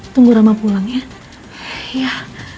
tunggu rama pulang ya